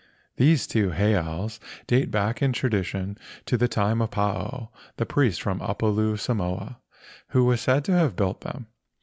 These two heiaus date back in tradition to the time of Paao, the priest from Upolu, Samoa, who was said to have built them.